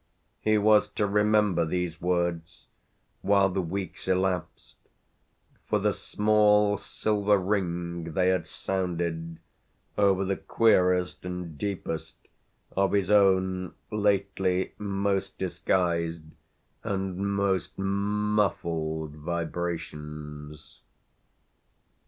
He was to remember these words, while the weeks elapsed, for the small silver ring they had sounded over the queerest and deepest of his own lately most disguised and most muffled vibrations.